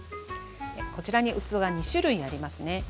こちらに器が２種類ありますね。